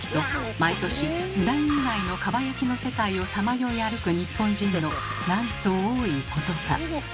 毎年うなぎ以外のかば焼きの世界をさまよい歩く日本人のなんと多いことか。